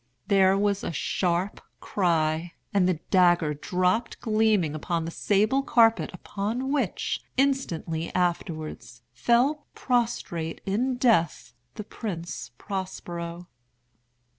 There was a sharp cry—and the dagger dropped gleaming upon the sable carpet, upon which, instantly afterwards, fell prostrate in death the Prince Prospero.